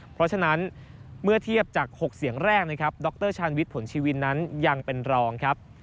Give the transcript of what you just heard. เพราะฉะนั้นเมื่อเทียบจาก๖เสียงแรกนะครับดรชาญวิทย์ผลชีวินนั้นยังเป็นรองครับ